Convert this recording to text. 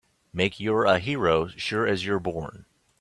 Make you're a hero sure as you're born!